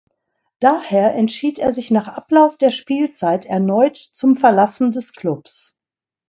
Daher entschied er sich nach Ablauf der Spielzeit erneut zum Verlassen des Klubs.